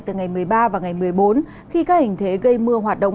từ ngày một mươi ba và ngày một mươi bốn khi các hình thế gây mưa hoạt động